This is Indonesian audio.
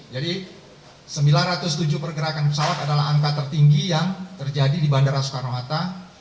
jadi sembilan ratus tujuh pergerakan pesawat adalah angka tertinggi yang terjadi di bandara soekarno hatta